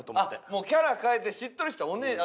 もうキャラ変えてしっとりしたオネエ。